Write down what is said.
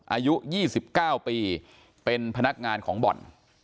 อายุยี่สิบเก้าปีเป็นพนักงานของบ่อน